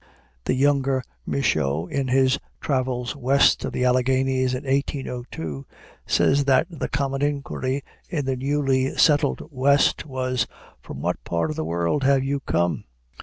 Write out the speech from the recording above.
The younger Michaux, in his Travels West of the Alleghanies in 1802, says that the common inquiry in the newly settled West was, "'From what part of the world have you come?'